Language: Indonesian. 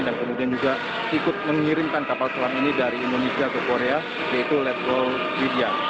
dan kemudian juga ikut mengirimkan kapal selam ini dari indonesia ke korea yaitu letgo widya